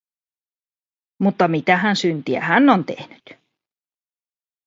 Mutta mitähän syntiä hän on tehnyt?